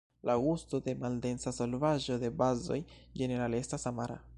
La gusto de maldensa solvaĵo de bazoj ĝenerale estas amara.